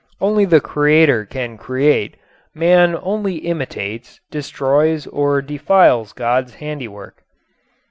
Only the Creator can create. Man only imitates, destroys or defiles God's handiwork.